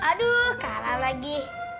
aduh kalah lagi